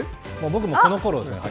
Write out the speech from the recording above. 僕もこのころですね。